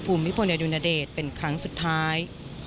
คุณคุณพุมมิพลวนญาณดุลอเดชเป็นครั้งสุดท้าย